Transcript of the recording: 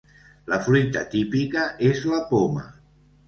La fruita típica és la poma.